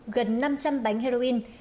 gần năm trăm linh bánh heroin